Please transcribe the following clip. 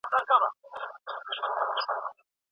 ایا ډاکټره د لوړ ږغ سره پاڼه ړنګه کړه؟